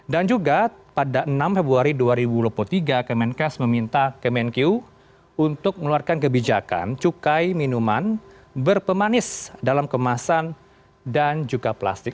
dan juga pada enam februari dua ribu enam puluh tiga kemenkes meminta kemenkiu untuk mengeluarkan kebijakan cukai minuman berpemanis dalam kemasan dan juga plastik